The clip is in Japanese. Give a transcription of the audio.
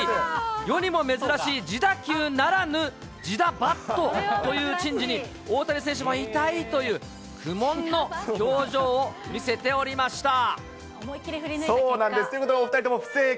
世にも珍しい自打球ならぬ自打バットという珍事に、大谷選手も痛いという、苦もんの表情を見せておりました。